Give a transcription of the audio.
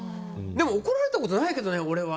でも怒られたことないけどね